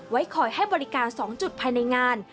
ไว้คอยให้บริการ๒จุดภายในงาน